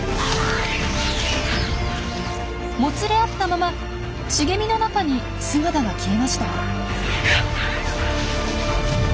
もつれ合ったまま茂みの中に姿が消えました。